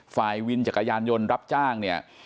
ไฟล์วิลจักรยานยนต์รับจ้าง